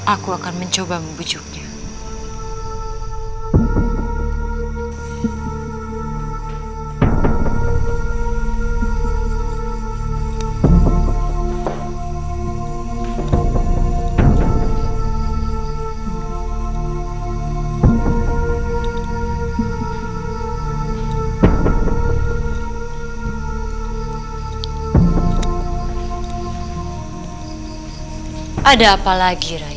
aku akan mencoba membujuknya